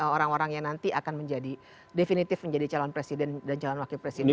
orang orang yang nanti akan menjadi definitif menjadi calon presiden dan calon wakil presiden